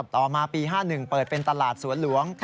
ต่อมาปี๕๑เปิดเป็นตลาดสวนหลวง